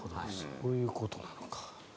そういうことなのか。